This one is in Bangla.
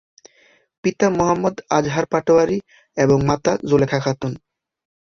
পিতা মোহাম্মদ আজহার পাটোয়ারি এবং মাতা জোলেখা খাতুন।